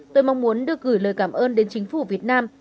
tôi mong muốn được gửi lời cảm ơn đến chính phủ việt nam